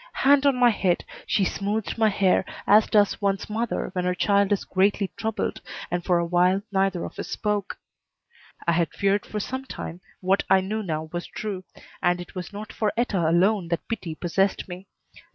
Hand on my head, she smoothed my hair as does one's mother when her child is greatly troubled, and for a while neither of us spoke. I had feared for some time what I knew now was true, and it was not for Etta alone that pity possessed me.